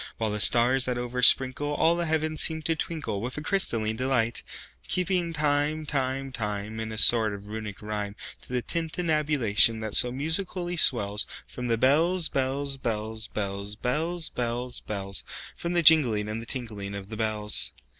While the stars, that oversprinkleAll the heavens, seem to twinkleWith a crystalline delight; Keeping time, time, time, In a sort of Runic rhyme, To the tintinnabulation that so musically wellsFrom the bells, bells, bells, bells, Bells, bells, bells—From the jingling and the tinkling of the bells.